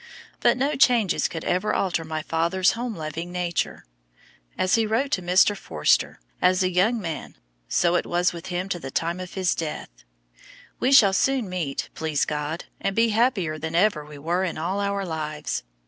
But no changes could ever alter my father's home loving nature. As he wrote to Mr. Forster, as a young man, so it was with him to the time of his death: "We shall soon meet, please God, and be happier than ever we were in all our lives.